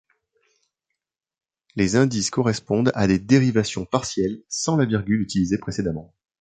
Les indices correspondent à des dérivations partielles, sans la virgule utilisée précédemment.